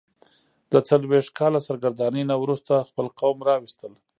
د څلوېښت کاله سرګرانۍ نه وروسته خپل قوم راوستل.